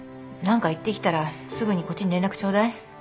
何か言ってきたらすぐにこっちに連絡ちょうだい。